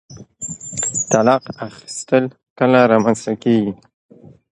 طلاق اخيسل کله رامنځته کيږي؟